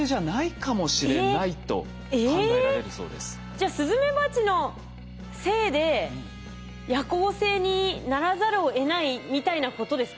じゃあスズメバチのせいで夜行性にならざるを得ないみたいなことですか？